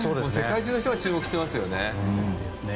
世界中の人が注目していますよね。